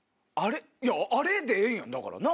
「あれ？」でええんやんだからな。